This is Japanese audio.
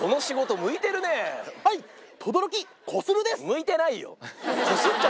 向いてないよ！